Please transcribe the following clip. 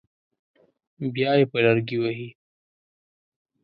بیا یې په لرګي وهي.